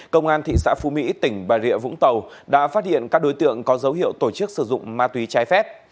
công an thị xã phú mỹ tỉnh bà rịa vũng tàu đã phát hiện các đối tượng có dấu hiệu tổ chức sử dụng ma túy trái phép